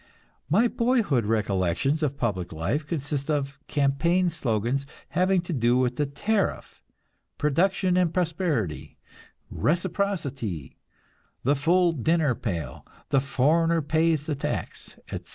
My boyhood recollections of public life consist of campaign slogans having to do with the tariff: "production and prosperity," "reciprocity," "the full dinner pail," "the foreigner pays the tax," etc.